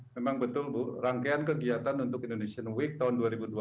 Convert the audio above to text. memang betul bu rangkaian kegiatan untuk indonesian week tahun dua ribu dua puluh